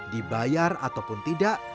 dibayar ataupun tidak